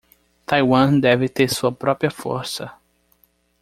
Taiwan deve ter sua própria força